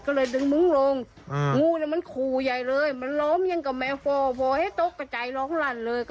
ก็เลยดึงมุ้งลงอืมงูนี่มันคูยายเลยมันร้อมอย่างกับแม่ฟอร์ฟอร์ให้ตกก็ใจร้องรั่นเลย